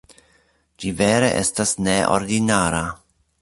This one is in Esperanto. Ĝi vere estas neordinara.